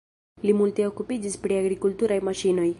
Li multe okupiĝis pri agrikulturaj maŝinoj.